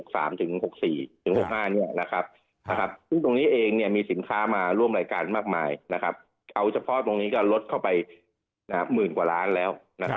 ซึ่งตรงนี้เองมีสินค้ามาร่วมรายการมากมายเอาเฉพาะตรงนี้ก็ลดเข้าไปหมื่นกว่าล้านแล้ว